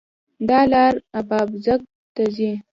دا لار اببازک ته ځي